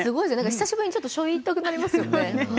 久しぶりにしょいたくなりますよね。